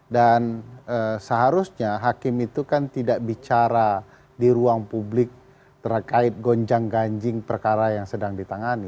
dan seharusnya hakim itu kan tidak bicara di ruang publik terkait gonjang ganjing perkara yang sedang ditangani